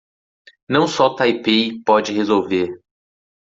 Não só Taipei pode resolver